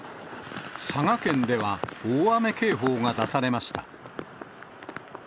佐賀県では、大雨警報が出されました。